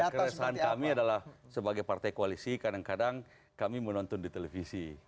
keresahan kami adalah sebagai partai koalisi kadang kadang kami menonton di televisi